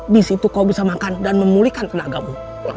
di situ kau bisa makan dan memulihkan tenagamu